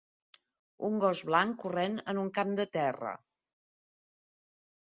Un gos blanc corrent en un camp de terra